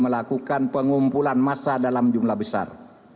melakukan pengumpulan massa dalam jumlah besar